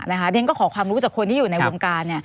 เดี๋ยวฉันก็ขอความรู้จากคนที่อยู่ในวงการ